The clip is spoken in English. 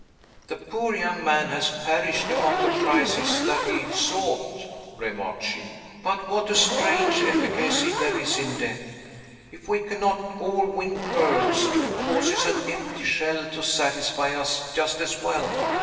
"The poor young man has perished among the prizes that he sought," remarked she. "But what a strange efficacy there is in death! If we cannot all win pearls, it causes an empty shell to satisfy us just as well.